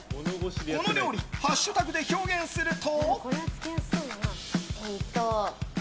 この料理、ハッシュタグで表現すると？